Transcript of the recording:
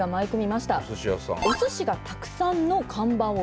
「おすしがたくさんの看板を作りたい」。